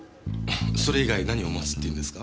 それ以外何を待つって言うんですか？